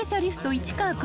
市川君。